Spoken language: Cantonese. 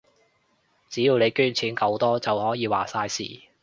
只要你捐錢夠多，就可以話晒事